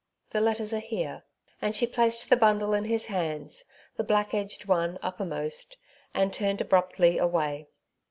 The letters are here," and she placed the bundle in his hands, the black edged one uppermost, and turned abruptly away.